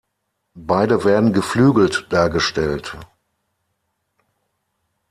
Beide werden geflügelt dargestellt.